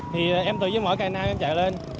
thì em tự dưng mỗi ngày nay em chạy lên